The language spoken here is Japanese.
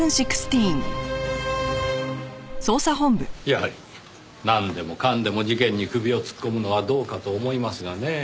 やはりなんでもかんでも事件に首を突っ込むのはどうかと思いますがねぇ。